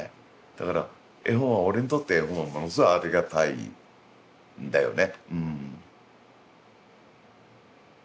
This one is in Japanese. だから絵本は俺にとってものすごいありがたいんだよね。